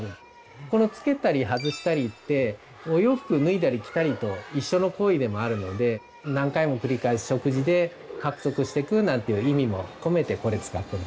このつけたり外したりってお洋服を脱いだり着たりと一緒の行為でもあるので何回も繰り返す食事で獲得していくなんていう意味も込めてこれ使ってます。